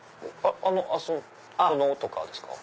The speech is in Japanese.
あそこのとかですか？